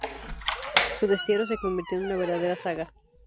Su destierro se convirtió en una verdadera saga.